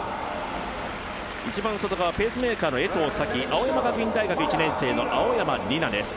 一番外側、ペースメーカーの江藤咲、青山学院大学１年生の青山理奈です